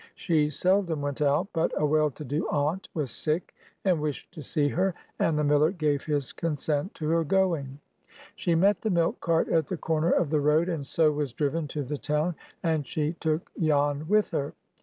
She seldom went out, but a well to do aunt was sick, and wished to see her; and the miller gave his consent to her going. She met the milk cart at the corner of the road, and so was driven to the town, and she took Jan with her.